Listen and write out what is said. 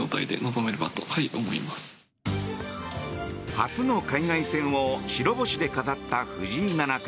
初の海外戦を白星で飾った藤井七冠。